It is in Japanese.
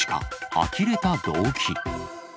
あきれた動機。